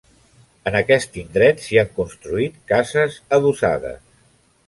En aquest indret s'hi han construït cases adossades.